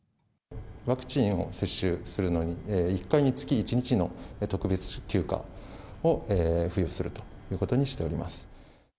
ワクチンを接種するのに、１回につき１日の特別休暇を付与するということにしております。